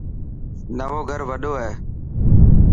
نئوو گھر وڌو هي.